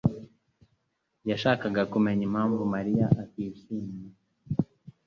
yashakaga kumenya impamvu Mariya atishimye.